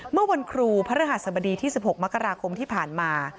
เมื่อวันครูพระฤหัสบดีที่๑๖มกราคมที่ผ่านมา